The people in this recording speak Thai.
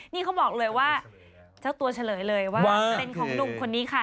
นี่เขาบอกเลยว่าเจ้าตัวเฉลยเลยว่าประเด็นของหนุ่มคนนี้ค่ะ